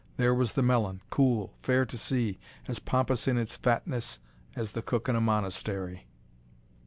There was the melon, cool, fair to see, as pompous in its fatness as the cook in a monastery.